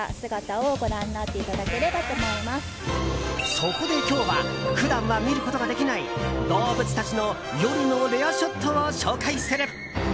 そこで今日は普段は見ることができない動物たちの夜のレアショットを紹介する。